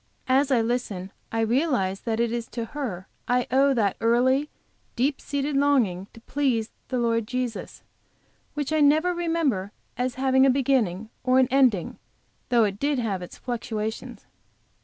As I listen, I realize that it is to her I owe that early, deeply seated longing to please the Lord Jesus, which I never remember as having a beginning, or an ending, though it did have its fluctuations.